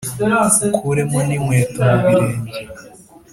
ukuremo n’inkweto mu birenge.»